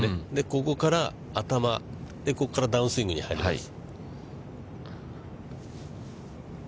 ここから頭、ここからダウンスイングに入ります。